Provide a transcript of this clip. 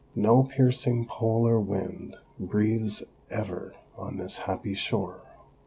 No piercing polar wind breathes ever on this happy shore.